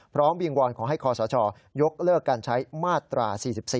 วิงวอนขอให้คอสชยกเลิกการใช้มาตรา๔๔